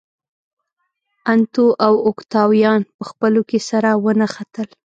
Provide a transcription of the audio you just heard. انتو او اوکتاویان په خپلو کې سره ونښتل.